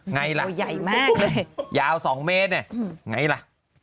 ไงล่ะยาว๒เมตรน่ะไงล่ะโอ้โฮใหญ่มากเลย